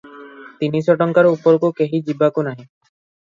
ତିନିଶ ଟଙ୍କାରୁ ଉପରକୁ କେହି ଯିବାକୁ ନାହିଁ ।